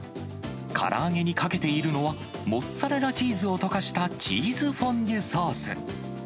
から揚げにかけているのは、モッツァレラチーズを溶かしたチーズフォンデュソース。